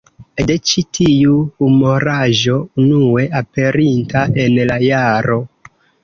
De ĉi tiu humoraĵo, unue aperinta en la jaro